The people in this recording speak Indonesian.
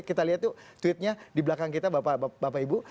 kita lihat tuh tweetnya di belakang kita bapak ibu